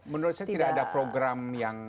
menurut saya tidak ada program yang